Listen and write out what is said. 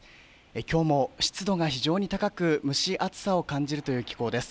きょうも湿度が非常に高く、蒸し暑さを感じるという気候です。